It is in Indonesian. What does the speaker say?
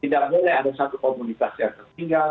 tidak boleh ada satu komunitas yang tertinggal